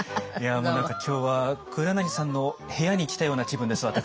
もう何か今日は黒柳さんの部屋に来たような気分です私。